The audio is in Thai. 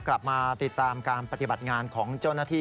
กลับมาติดตามการปฏิบัติงานของเจ้าหน้าที่